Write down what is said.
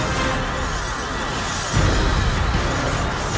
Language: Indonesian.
kamu benar juga